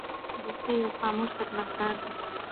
رسۍ یو خاموش خدمتګار دی.